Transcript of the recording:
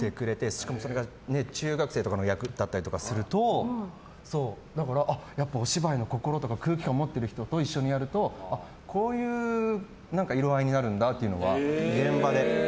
しかもそれが中学生の役だったりするとお芝居の心とか空気感を持っている人と一緒にやるとこういう色合いになるんだっていうのが現場で。